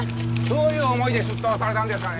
どういう思いで出頭されたんですか？